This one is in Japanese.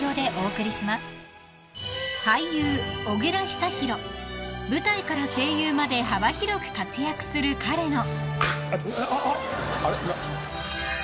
ピンポーン［舞台から声優まで幅広く活躍する彼の］